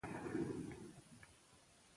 آیا په تعلیم کې پرمختګ لیدل کېږي؟